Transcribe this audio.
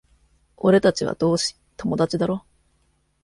俺たちは同志、友達だろ？